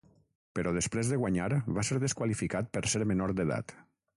Però després de guanyar, va ser desqualificat per ser menor d’edat.